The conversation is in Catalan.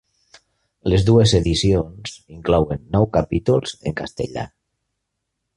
Les dues edicions inclouen nou capítols en castellà.